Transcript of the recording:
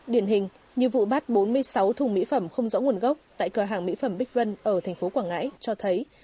điển hình như vụ bắt bốn mươi sáu thùng mỹ phẩm không rõ nguồn gốc tại cửa hàng mỹ phẩm bích vân ở tp quảng ngãi cho thấy